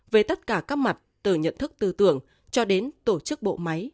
về tất cả các mặt từ nhận thức tư tưởng cho đến tổ chức bộ máy